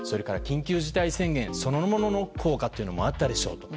緊急事態宣言そのものの効果もあったでしょう。